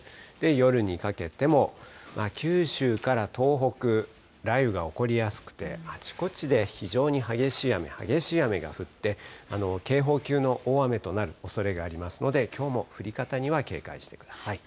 夜にかけても、九州から東北、雷雨が起こりやすくて、あちこちで非常に激しい雨、激しい雨が降って、警報級の大雨となるおそれがありますので、きょうも降り方には警戒してください。